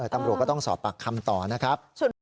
ตำรวจก็ต้องสอบปากคำต่อนะครับ